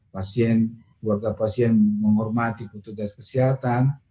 pasien keluarga pasien menghormati petugas kesehatan